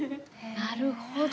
なるほどね。